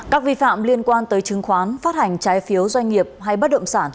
các vi phạm liên quan tới chứng khoán phát hành trái phiếu doanh nghiệp hay bất động sản